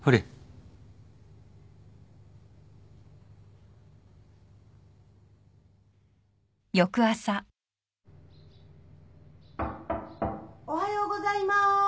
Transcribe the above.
・おはようございます。